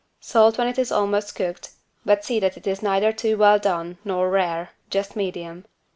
Salt when it is almost cooked, but see that it is neither too well done nor rare, just medium.